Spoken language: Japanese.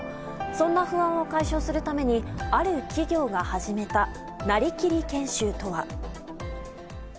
そんな不安を解消するためにある企業が始めたなりきり研修とは。